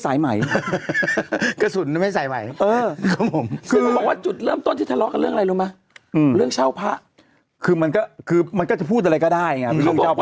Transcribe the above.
อ่าสองฝั่ง